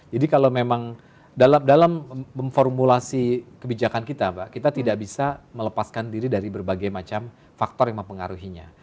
jadi kalau memang dalam memformulasi kebijakan kita kita tidak bisa melepaskan diri dari berbagai macam faktor yang mempengaruhinya